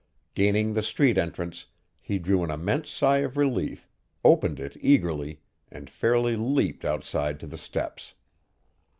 Gaining the street entrance, he drew an immense sigh of relief, opened it eagerly and fairly leaped outside to the steps.